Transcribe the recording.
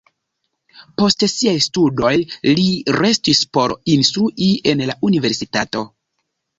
Post siaj studoj li restis por instrui en la universitato.